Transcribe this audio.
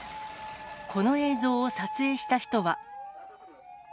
この映像を撮影した人は。